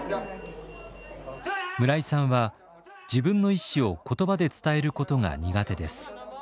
村井さんは自分の意思を言葉で伝えることが苦手です。